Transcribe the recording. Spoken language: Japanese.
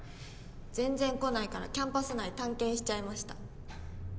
全然来ないからキャンパス内探検しちゃいました。